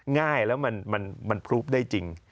ง่ายแล้วมันพลูบได้จริง